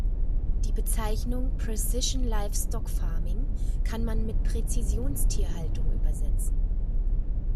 Die Bezeichnung „Precision Livestock Farming“ kann man mit „Präzisions-Tierhaltung“ übersetzen.